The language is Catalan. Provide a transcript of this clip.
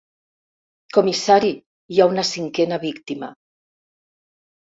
Comissari, hi ha una cinquena víctima!